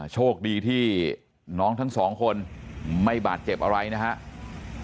โชคดีที่น้องทั้งสองคนไม่บาดเจ็บอะไรนะครับ